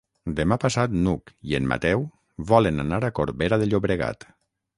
Demà passat n'Hug i en Mateu volen anar a Corbera de Llobregat.